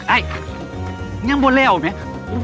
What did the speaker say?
ไอ้นี่ยังบ่เล่วไหม